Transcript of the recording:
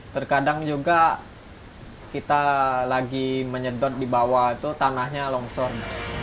terkadang juga kita lagi menyedot di bawah itu tanahnya longsor